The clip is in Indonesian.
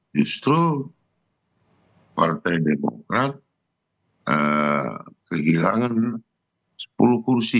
justru partai demokrat kehilangan sepuluh kursi